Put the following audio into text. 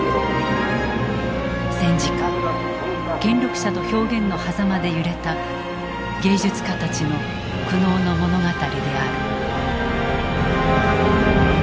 戦時下権力者と表現のはざまで揺れた芸術家たちの苦悩の物語である。